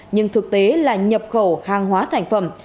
nhưng thực tế là nhập khẩu hàng hóa thành phẩm